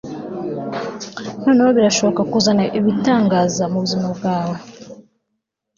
noneho birashobora kuzana ibitangaza mubuzima bwawe